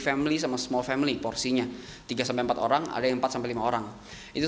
family sama small family porsinya tiga empat orang ada yang empat sampai lima orang itu